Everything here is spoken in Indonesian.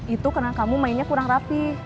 itu karena kamu mainnya kurang rapi